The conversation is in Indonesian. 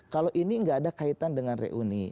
kalau ini nggak ada kaitan dengan reuni